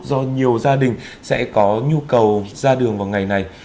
do nhiều gia đình sẽ có nhu cầu ra đường vào ngày này